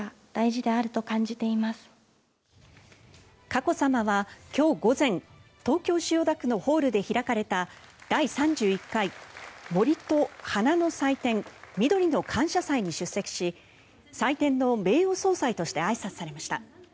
佳子さまは今日午前東京・千代田区のホールで開かれた第３１回森と花の祭典みどりの感謝祭に出席し祭典の名誉総裁としてあいさつされました。